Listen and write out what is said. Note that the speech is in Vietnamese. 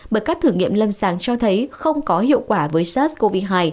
bởi các thử nghiệm lâm sàng cho thấy không có hiệu quả với sars cov hai